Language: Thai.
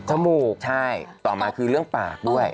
มูกใช่ต่อมาคือเรื่องปากด้วย